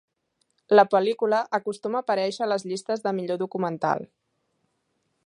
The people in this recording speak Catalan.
La pel·lícula acostuma a aparèixer a les llistes de "millor documental".